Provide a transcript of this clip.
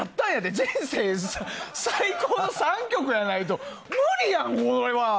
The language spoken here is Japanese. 人生最高の３曲やないと無理やんこれは。